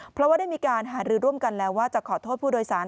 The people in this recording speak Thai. เพราะว่าได้มีการหารือร่วมกันแล้วว่าจะขอโทษผู้โดยสาร